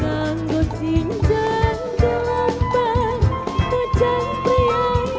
ganggu sinjang gelap